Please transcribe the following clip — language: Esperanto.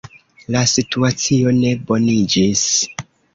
La situacio ne boniĝis.